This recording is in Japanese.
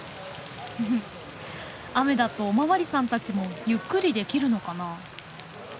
雨だとお巡りさんたちもゆっくりできるのかな。